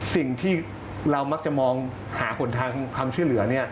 สิ่งที่เรามักจะมองหาหนทางความช่วยเหลือ